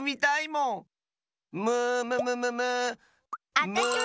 あたしも！